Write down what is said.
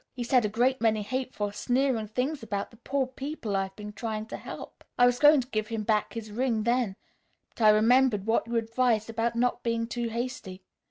He said a great many hateful, sneering things about the poor people I've been trying to help. I was going to give him back his ring then, but I remembered what you advised about not being too hasty.